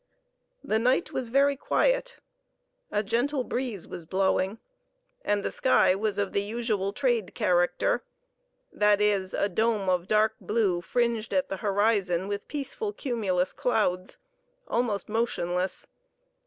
The night was very quiet. A gentle breeze was blowing, and the sky was of the usual "Trade" character; that is, a dome of dark blue fringed at the horizon with peaceful cumulus clouds, almost motionless.